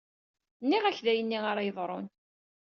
Nniɣ-ak d ayenni ara yeḍṛun.